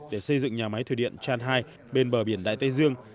để xây dựng nhà máy thuyền điện chanhai bên bờ biển đại tây dương